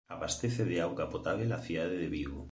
Abastece de auga potábel á cidade de Vigo.